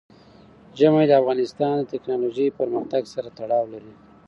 ژمی د افغانستان د تکنالوژۍ پرمختګ سره تړاو لري.